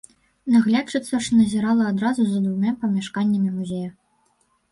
Наглядчыца ж назірала адразу за двума памяшканнямі музея.